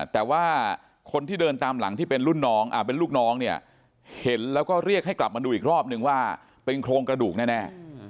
แต่ว่าคนที่เดินตามหลังที่เป็นรุ่นน้องเป็นลูกน้องเนี่ยเห็นแล้วก็เรียกให้กลับมาดูอีกรอบนึงว่าเป็นโครงกระดูกแน่